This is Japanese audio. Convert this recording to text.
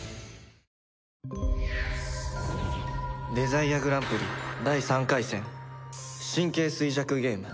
デザイアグランプリ第３回戦神経衰弱ゲーム